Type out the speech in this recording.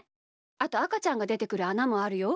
あとあかちゃんがでてくるあなもあるよ。